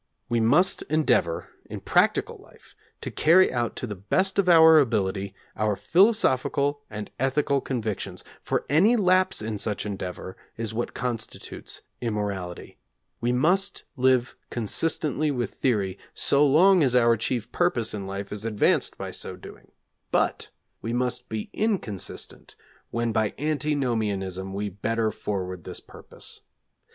We must endeavour in practical life to carry out to the best of our ability our philosophical and ethical convictions, for any lapse in such endeavour is what constitutes immorality. We must live consistently with theory so long as our chief purpose in life is advanced by so doing, but we must be inconsistent when by antinomianism we better forward this purpose.